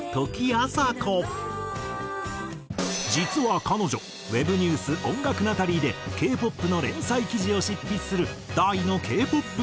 実は彼女ＷＥＢニュース音楽ナタリーでＫ−ＰＯＰの連載記事を執筆する大のＫ−ＰＯＰ通。